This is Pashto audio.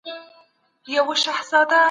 مثبت فکر د ژوند کړکېچونه په اسانۍ هواروي.